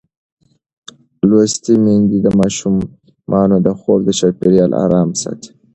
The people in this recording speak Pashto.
لوستې میندې د ماشومانو د خوب چاپېریال آرام ساتي.